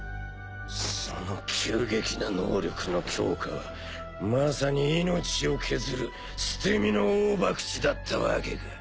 その急激な能力の強化はまさに命を削る捨て身の大博打だったわけか。